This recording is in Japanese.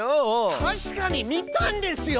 たしかに見たんですよ！